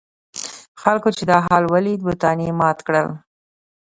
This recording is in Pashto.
خلکو چې دا حال ولید بتان یې مات کړل.